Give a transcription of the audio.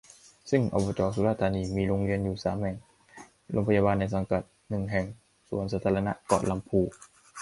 ซึ่ง อบจ สุราษฏร์ธานี มีโรงเรียนอยู่ สาม แห่ง โรงพยาบาลในสังกัด หนึ่ง แห่ง สวนสาธารณะเกาะลำพู